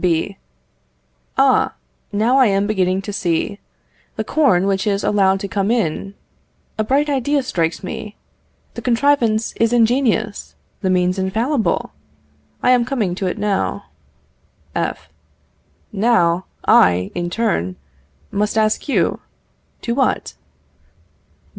B. Ah! now I am beginning to see ... the corn which is allowed to come in ... a bright idea strikes me ... the contrivance is ingenious, the means infallible; I am coming to it now. F. Now, I, in turn, must ask you to what?